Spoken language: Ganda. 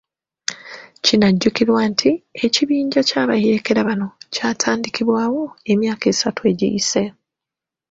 Kinajjukirwa nti ekibinja ky'abayeekera bano kyatandikibwawo emyaka asatu egiyise .